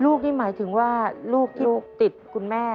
ลูกนี่หมายถึงว่าลูกที่ลูกติดคุณแม่